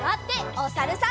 おさるさん。